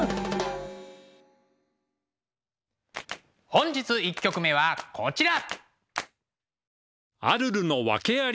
本日１曲目はこちら。